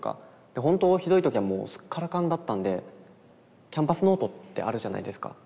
ほんとひどい時はもうスッカラカンだったんでキャンパスノートってあるじゃないですか。